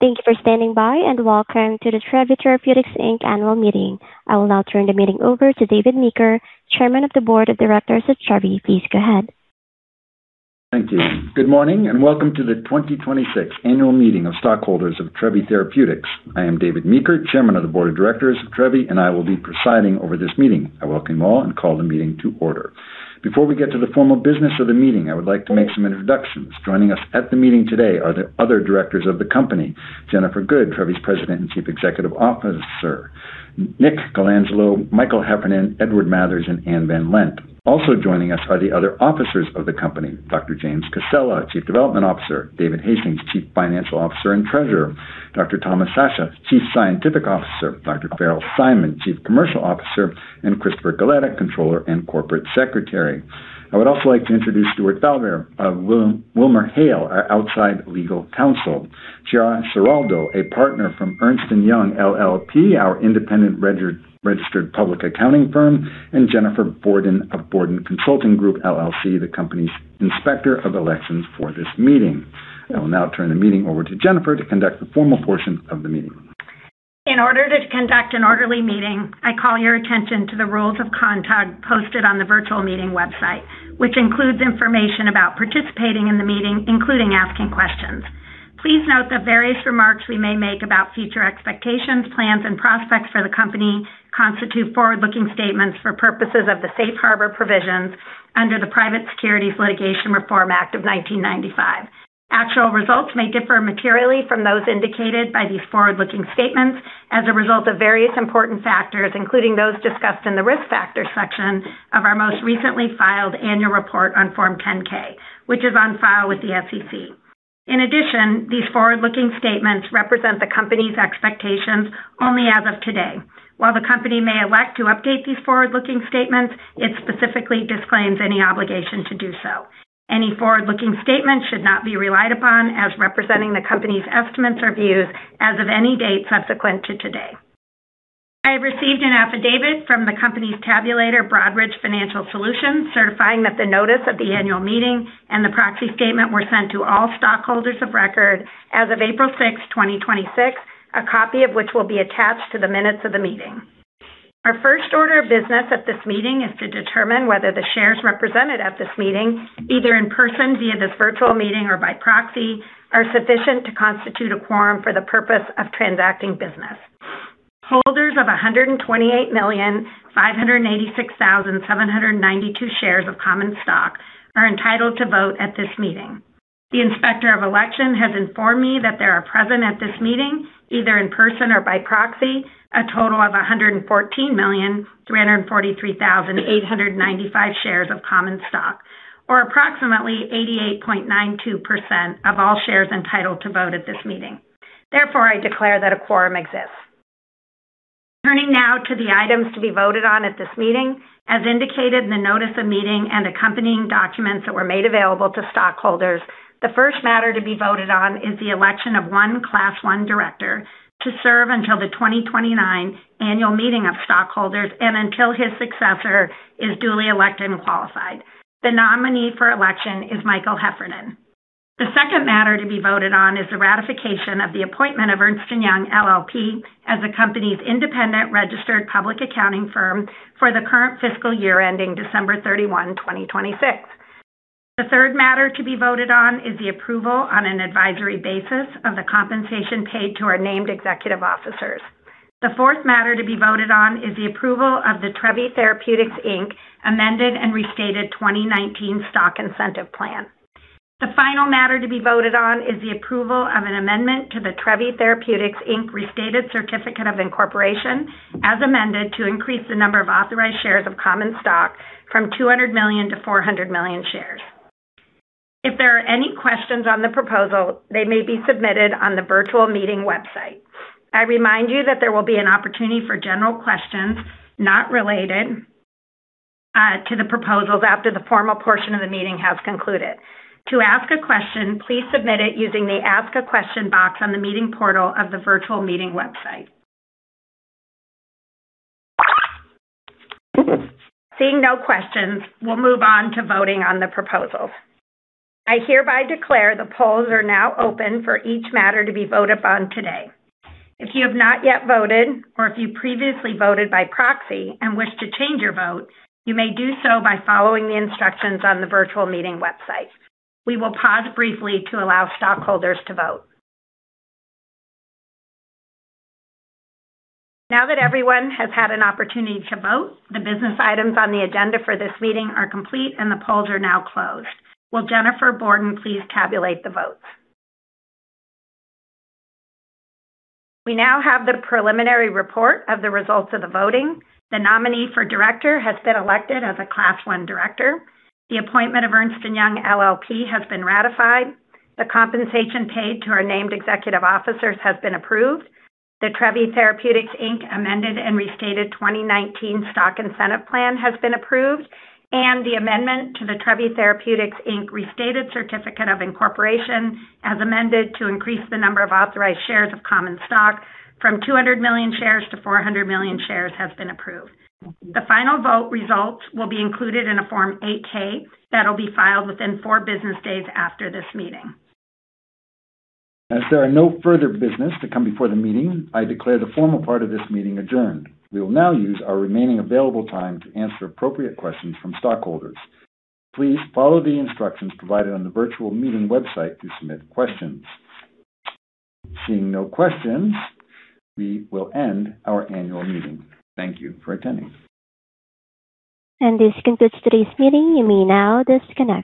Thank you for standing by, and welcome to the Trevi Therapeutics, Inc annual meeting. I will now turn the meeting over to David Meeker, Chairman of the Board of Directors at Trevi. Please go ahead. Thank you. Good morning, and welcome to the 2026 annual meeting of stockholders of Trevi Therapeutics. I am David Meeker, Chairman of the Board of Directors of Trevi, and I will be presiding over this meeting. I welcome you all and call the meeting to order. Before we get to the formal business of the meeting, I would like to make some introductions. Joining us at the meeting today are the other directors of the company, Jennifer Good, Trevi's President and Chief Executive Officer, Nick Colangelo, Michael Heffernan, Edward Mathers, and Anne VanLent. Also joining us are the other officers of the company, Dr. James Cassella, Chief Development Officer, David Hastings, Chief Financial Officer and Treasurer, Dr. Thomas Sciascia, Chief Scientific Officer, Dr. Farrell Simon, Chief Commercial Officer, and Christopher Galletta, Controller and Corporate Secretary. I would also like to introduce Stuart Falber of WilmerHale, our outside legal counsel, Chiara Ciraldo, a partner from Ernst & Young LLP, our independent registered public accounting firm, and Jennifer Borden of Borden Consulting Group LLC, the company's Inspector of Elections for this meeting. I will now turn the meeting over to Jennifer to conduct the formal portion of the meeting. In order to conduct an orderly meeting, I call your attention to the rules of conduct posted on the virtual meeting website, which includes information about participating in the meeting, including asking questions. Please note that various remarks we may make about future expectations, plans, and prospects for the company constitute forward-looking statements for purposes of the safe harbor provisions under the Private Securities Litigation Reform Act of 1995. Actual results may differ materially from those indicated by these forward-looking statements as a result of various important factors, including those discussed in the Risk Factors section of our most recently filed annual report on Form 10-K, which is on file with the SEC. In addition, these forward-looking statements represent the company's expectations only as of today. While the company may elect to update these forward-looking statements, it specifically disclaims any obligation to do so. Any forward-looking statements should not be relied upon as representing the company's estimates or views as of any date subsequent to today. I received an affidavit from the company's tabulator, Broadridge Financial Solutions, certifying that the notice of the annual meeting and the proxy statement were sent to all stockholders of record as of April 6th, 2026, a copy of which will be attached to the minutes of the meeting. Our first order of business at this meeting is to determine whether the shares represented at this meeting, either in person via this virtual meeting or by proxy, are sufficient to constitute a quorum for the purpose of transacting business. Holders of 128,586,792 shares of common stock are entitled to vote at this meeting. The inspector of election has informed me that there are present at this meeting, either in person or by proxy, a total of 114,343,895 shares of common stock, or approximately 88.92% of all shares entitled to vote at this meeting. Therefore, I declare that a quorum exists. Turning now to the items to be voted on at this meeting. As indicated in the notice of meeting and accompanying documents that were made available to stockholders, the first matter to be voted on is the election of one Class I director to serve until the 2029 annual meeting of stockholders and until his successor is duly elected and qualified. The nominee for election is Michael Heffernan. The second matter to be voted on is the ratification of the appointment of Ernst & Young LLP as the company's independent registered public accounting firm for the current fiscal year ending December 31, 2026. The third matter to be voted on is the approval on an advisory basis of the compensation paid to our named executive officers. The fourth matter to be voted on is the approval of the Trevi Therapeutics, Inc amended and restated 2019 stock incentive plan. The final matter to be voted on is the approval of an amendment to the Trevi Therapeutics, Inc restated certificate of incorporation, as amended, to increase the number of authorized shares of common stock from 200 million to 400 million shares. If there are any questions on the proposal, they may be submitted on the virtual meeting website. I remind you that there will be an opportunity for general questions not related to the proposals after the formal portion of the meeting has concluded. To ask a question, please submit it using the Ask A Question box on the meeting portal of the virtual meeting website. Seeing no questions, we'll move on to voting on the proposals. I hereby declare the polls are now open for each matter to be voted upon today. If you have not yet voted, or if you previously voted by proxy and wish to change your vote, you may do so by following the instructions on the virtual meeting website. We will pause briefly to allow stockholders to vote. Now that everyone has had an opportunity to vote, the business items on the agenda for this meeting are complete, and the polls are now closed. Will Jennifer Borden please tabulate the votes? We now have the preliminary report of the results of the voting. The nominee for director has been elected as a Class I director. The appointment of Ernst & Young LLP has been ratified. The compensation paid to our named executive officers has been approved. The Trevi Therapeutics, Inc amended and restated 2019 stock incentive plan has been approved, and the amendment to the Trevi Therapeutics, Inc restated certificate of incorporation, as amended, to increase the number of authorized shares of common stock from 200 million shares to 400 million shares, has been approved. The final vote results will be included in a Form 8-K that'll be filed within four business days after this meeting. As there are no further business to come before the meeting, I declare the formal part of this meeting adjourned. We will now use our remaining available time to answer appropriate questions from stockholders. Please follow the instructions provided on the virtual meeting website to submit questions. Seeing no questions, we will end our annual meeting. Thank you for attending. This concludes today's meeting. You may now disconnect.